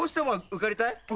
受かりたいよ。